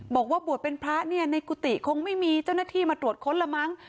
บอกว่าบวชเป็นพระเนี่ยในกุฏิคงไม่มีเจ้าหน้าที่มาตรวจค้นละมั้ง